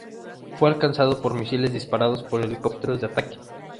Fue alcanzado por misiles disparados por helicópteros de ataque.